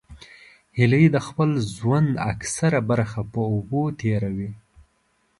هیلۍ د خپل ژوند اکثره برخه په اوبو تېروي